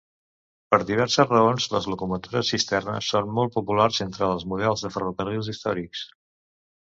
Per diverses raons, les locomotores cisterna són molt populars entre els models de ferrocarrils històrics.